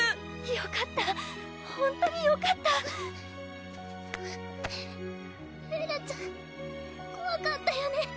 よかったほんとによかったエルちゃんこわかったよね